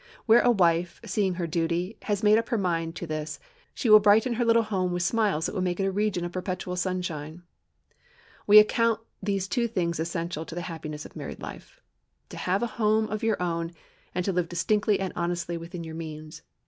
Where a wife, seeing her duty, has made up her mind to this, she will brighten her little home with smiles that will make it a region of perpetual sunshine. We account these two things essential to the happiness of married life,—to have a home of your own, and to live distinctly and honestly within your means.